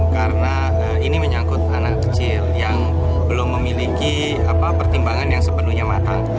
karena ini menyangkut anak kecil yang belum memiliki pertimbangan yang sepenuhnya mata